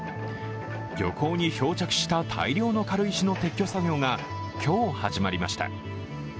漁港に漂着した大量の軽石の撤去作業が今日始まりました。